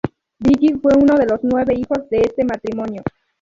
Billy fue uno de los nueve hijos de este matrimonio.